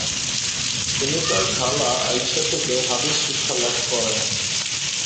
তিনি তার খালা আয়িশা থেকে হাদিস শিক্ষা লাভ করেন।